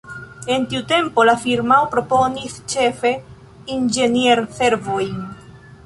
En tiu tempo, la firmao proponis ĉefe inĝenier-servojn.